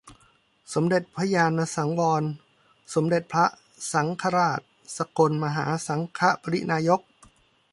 สมเด็จพระญาณสังวร สมเด็จพระสังฆราช สกลมหาสังฆปริณานายก